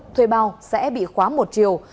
thuê bao sẽ bị khóa một triệu